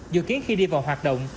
dự kiến khi đi vào hoạt động